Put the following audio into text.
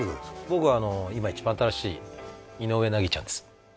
僕今一番新しい井上和ちゃんです